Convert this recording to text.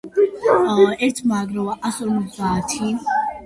აქვს ბენზინის ან ელექტრული ტიპის ძრავა.